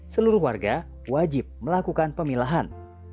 seluruh warga wajib melakukan pemilahan